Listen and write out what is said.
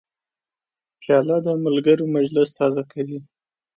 پیاله د ملګرو مجلس تازه کوي.